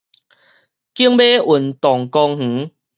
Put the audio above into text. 景尾運動公園